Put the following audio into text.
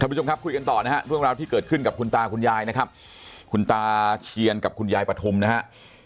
ทุกคนครับคุยกันต่อนะครับในเวลาที่เกิดขึ้นกับคุณตาคุณยายนะครับคุณตาเชียนกับคุณยายปฐมนะคัะ